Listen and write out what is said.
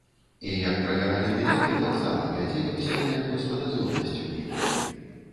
І, як правяралі білеты, таксама глядзелі ўсе на яго з падазронасцю нейкай.